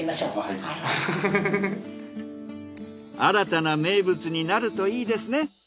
新たな名物になるといいですね。